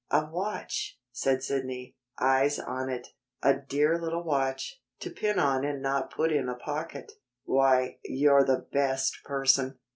"A watch," said Sidney, eyes on it. "A dear little watch, to pin on and not put in a pocket. Why, you're the best person!"